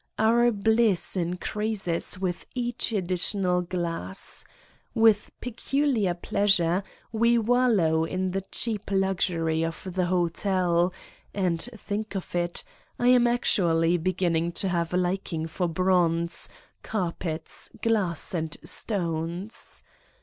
Our bliss in creases with each additional glass. With peculiar pleasure we wallow in the cheap luxury of the hotel, and think of it ! I am actually beginning to have a liking for bronze, carpets, glass and stones.